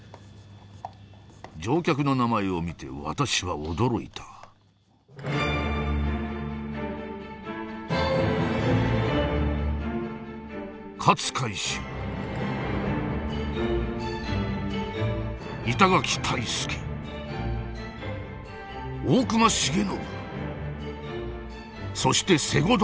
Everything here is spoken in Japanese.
乗客の名前を見て私は驚いたそして西郷